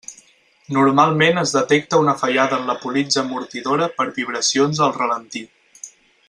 Normalment es detecta una fallada en la politja amortidora per vibracions al ralentí.